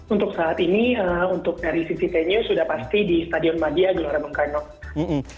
untuk saat ini untuk dari cctv news sudah pasti di stadion madya gelora bengkainok